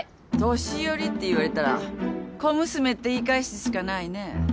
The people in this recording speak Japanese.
年寄りって言われたら小娘って言い返すしかないねぇ。